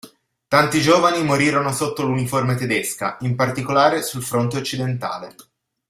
Tanti giovani morirono sotto l’uniforme tedesca, in particolare sul fronte occidentale.